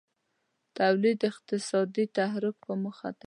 تولید د اقتصادي تحرک په موخه دی.